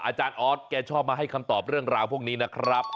อาจารย์ออสแกชอบมาให้คำตอบเรื่องราวพวกนี้นะครับ